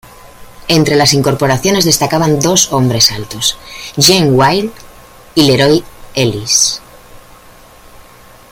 Entre las incorporaciones, destacaban dos hombres altos, Gene Wiley y LeRoy Ellis.